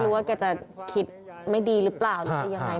ไม่รู้ว่าแกจะคิดไม่ดีหรือเปล่าหรืออย่างไร